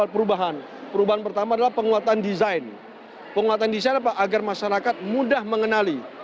perubahan perubahan pertama adalah penguatan desain penguatan desain apa agar masyarakat mudah mengenali